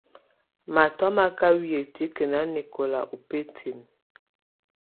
Matɔ̀á mà kà wɛya tikǝ́ nanɛkɔla ù bǝtinǝ́.